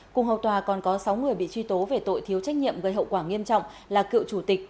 cùng hầu tòa còn có sáu người bị truy tố về tội thiếu trách nhiệm gây hậu quả nghiêm trọng là cựu chủ tịch